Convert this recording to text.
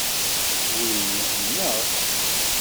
Win nneɣ.